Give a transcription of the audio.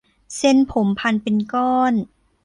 เส้นผมพันเป็นก้อน